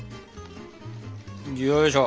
よいしょ。